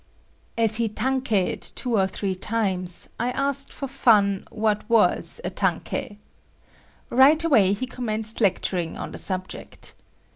As he "tankeied" two or three times, I asked for fun what was a tankei. Right away he commenced lecturing on the subject.